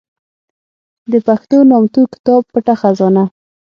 د پښتو نامتو کتاب پټه خزانه